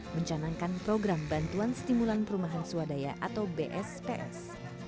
mencanangkan program bantuan stimulan perumahan swadaya atau bsps